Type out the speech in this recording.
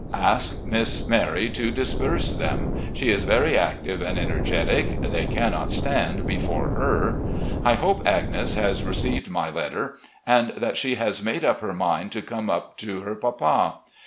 Ask Miss Mary to disperse them. She is very active and energetic ; they cannot stand before her. ... I hope Agnes has received my letter, and that she has made up her mind to come up to her papa.